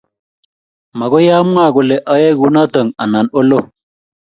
magooy amwaa kole ayoe kunoto anan oloo